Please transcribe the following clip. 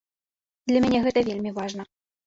Для мяне гэта вельмі важна.